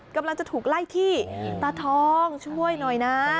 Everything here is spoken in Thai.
กำลังจะถูกไล่ที่ตาทองช่วยหน่อยนะ